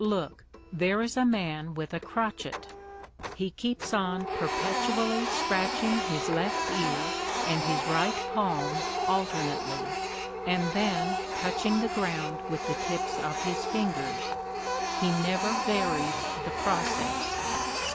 Look, there is a man with a crotchet; he keeps on perpetually scratching his left ear and his right palm alternately, and then touching the ground with the tips of his fingers. He never varies the process.